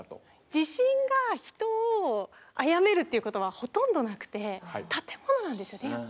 地震が人を殺めるっていうことはほとんどなくて建物なんですよねやっぱり。